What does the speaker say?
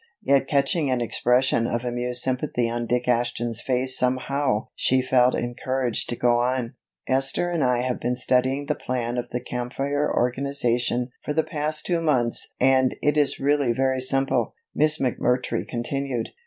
Yet catching an expression of amused sympathy on Dick Ashton's face somehow she felt encouraged to go on. "Esther and I have been studying the plan of the Camp Fire organization for the past two months and it is really very simple," Miss McMurtry continued.